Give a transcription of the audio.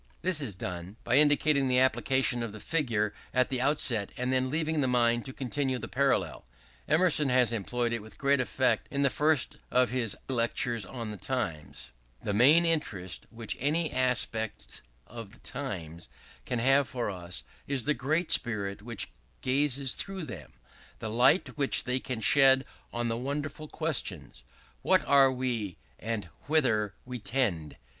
This is done by indicating the application of the figure at the outset, and then leaving the mind to continue the parallel.' Emerson has employed it with great effect in the first of his I Lectures on the Times': "The main interest which any aspects of the Times can have for us is the great spirit which gazes through them, the light which they can shed on the wonderful questions, What are we, and Whither we tend?